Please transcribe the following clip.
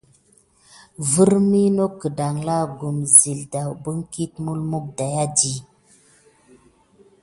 Nok vimi gudala ikume zele dabin mulmuke sula mis daya.